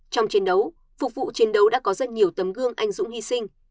trong chiến đấu phục vụ chiến đấu đã có rất nhiều tấm gương anh dũng hy sinh